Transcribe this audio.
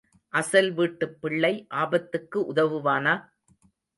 அசல் வீட்டுப் பிள்ளை ஆபத்துக்கு உதவுவானா?